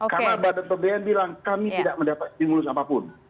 karena pada terdekatnya kami tidak mendapat stimulus apapun